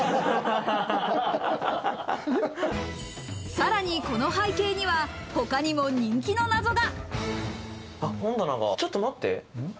さらにこの背景には、他にも人気のナゾが。